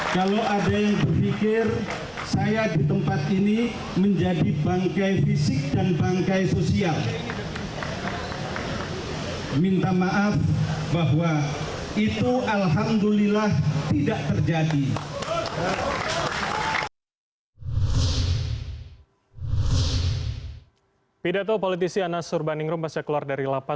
kalau ada yang berpikir saya di tempat ini menjadi bangkai fisik dan bangkai sosial